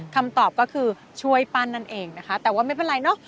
คำตอบก็คือช่วยปั้นนั่นเองนะคะแต่ว่าไม่เป็นไรเนอะ